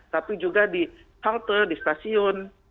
tapi juga di halte di stasiun